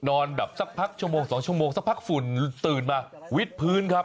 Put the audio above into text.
นอนแบบสักพักชั่วโมง๒ชั่วโมงสักพักฝุ่นตื่นมาวิทย์พื้นครับ